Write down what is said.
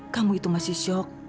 kamu itu masih syok